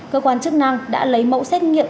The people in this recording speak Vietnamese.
cơ quan chức năng đã lấy mẫu xét nghiệm